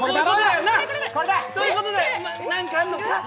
そういうことだよ、何かあるのか？